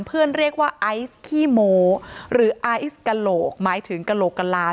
เรียกว่าไอซ์ขี้โมหรือไอซ์กระโหลกหมายถึงกระโหลกกะลา